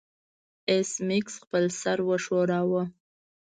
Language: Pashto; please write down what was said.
ایس میکس خپل سر وښوراوه